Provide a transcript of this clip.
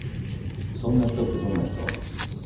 ・そんな人ってどんな人？